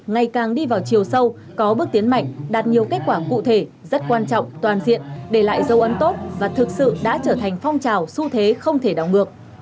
ngày càng đi vào chiều sâu có bước tiến mạnh đạt nhiều kết quả cụ thể rất quan trọng toàn diện để lại dấu ấn tốt và thực sự đã trở thành phong trào xu thế không thể đảo ngược